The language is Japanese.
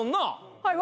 はい。